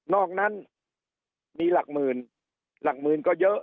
อกนั้นมีหลักหมื่นหลักหมื่นก็เยอะ